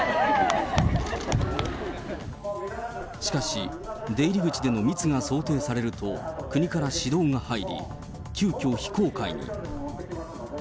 しかし、出入り口での密が想定されると、国から指導が入り、急きょ、非公開に。